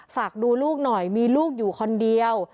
ฝากดูลูกหน่อยมีลูกอยู่คนเดียว